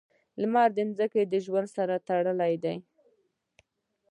• لمر د ځمکې ژوند سره تړلی دی.